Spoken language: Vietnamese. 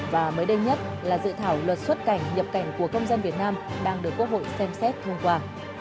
và mới đây nhất là dự thảo luật xuất cảnh nhập cảnh của công dân việt nam đang được quốc hội xem xét thông qua